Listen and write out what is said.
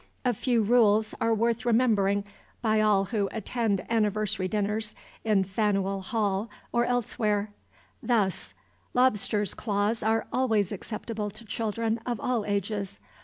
A few rules are worth remembering by all who attend anniversary dinners in Faneuil Hall or elsewhere. Thus: Lobsters' claws are always acceptable to children of all ages.